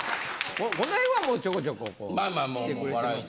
この辺はもうちょこちょこきてくれてます。